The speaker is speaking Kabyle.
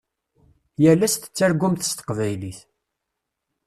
Yal ass tettargumt s teqbaylit.